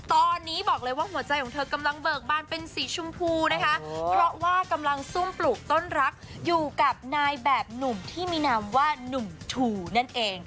ตอนนี้บอกเลยว่าหัวใจของเธอกำลังเบิกบานเป็นสีชมพูนะคะเพราะว่ากำลังซุ่มปลูกต้นรักอยู่กับนายแบบหนุ่มที่มีนามว่านุ่มถูนั่นเอง